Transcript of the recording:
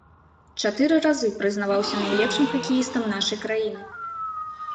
Чатыры разы прызнаваўся найлепшым хакеістам нашай краіны.